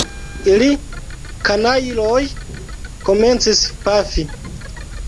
Ili, kanajloj, komencis pafi!